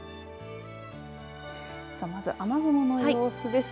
さあまず雨雲の様子です。